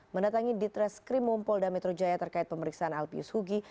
mendatangi di treskrim mumpol dan metro jaya terkait pemeriksaan l p u s hugi